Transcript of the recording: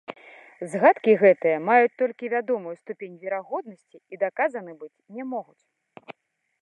Здагадкі гэтыя маюць толькі вядомую ступень верагоднасці і даказаны быць не могуць.